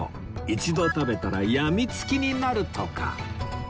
一度食べたら病み付きになるとか